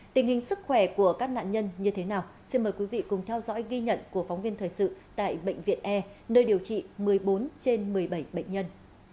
tình hình sức khỏe của các nạn nhân như thế nào xin mời quý vị cùng theo dõi ghi nhận của phóng viên thời sự tại bệnh viện e nơi điều trị một mươi bốn trên một mươi bảy bệnh nhân